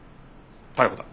逮捕だ。